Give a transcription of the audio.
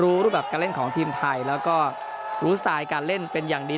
รูปแบบการเล่นของทีมไทยแล้วก็รู้สไตล์การเล่นเป็นอย่างดี